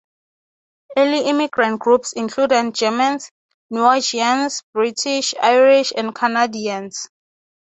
Early immigrant groups included Germans, Norwegians, British, Irish, and Canadians.